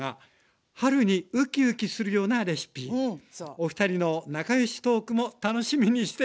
おふたりの仲良しトークも楽しみにしています！